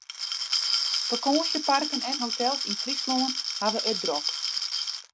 Fakânsjeparken en hotels yn Fryslân hawwe it drok.